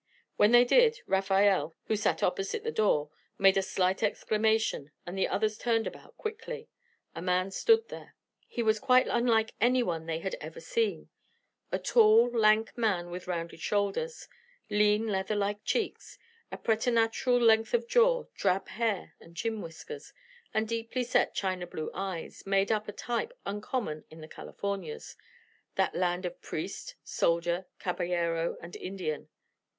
When they did, Rafael, who sat opposite the door, made a slight exclamation, and the others turned about quickly. A man stood there. He was quite unlike any one they had ever seen. A tall lank man with rounded shoulders, lean leather like cheeks, a preternatural length of jaw, drab hair and chin whiskers, and deeply set china blue eyes, made up a type uncommon in the Californias, that land of priest, soldier, caballero, and Indian.